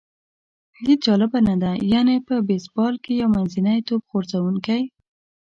هېڅ جالبه نه ده، یعنې په بېسبال کې یو منځنی توپ غورځوونکی.